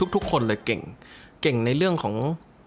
ทุกคนเลยเก่งเก่งในเรื่องของ